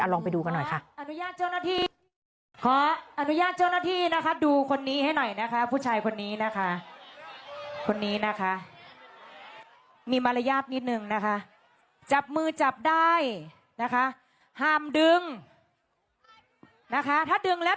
ลองไปดูกันหน่อยค่ะ